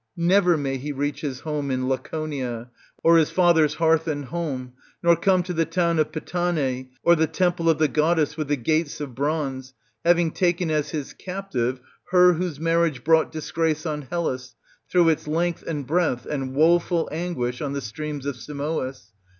Never may he reach his home in Laconia or his father's hearth and home, nor come to the town of Pitane' or the temple of the goddess^ with the gates of bronze, having taken as his captive her whose marriage brought disgrace on Hellas through its length and breadth and woful anguish on the streams of Simois